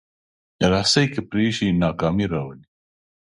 رسۍ که پرې شي، ناکامي راولي.